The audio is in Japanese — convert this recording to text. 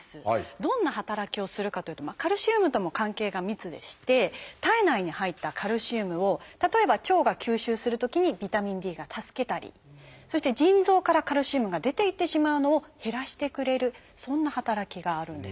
どんな働きをするかというとカルシウムとも関係が密でして体内に入ったカルシウムを例えば腸が吸収するときにビタミンＤが助けたりそして腎臓からカルシウムが出ていってしまうのを減らしてくれるそんな働きがあるんです。